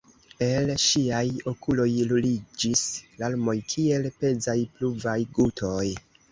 El ŝiaj okuloj ruliĝis larmoj kiel pezaj pluvaj gutoj.